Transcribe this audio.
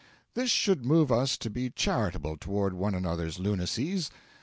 This should move us to be charitable toward one another's lunacies.